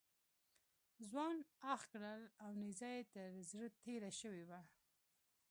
ځوان اخ کړل او نیزه یې تر زړه تېره شوې وه.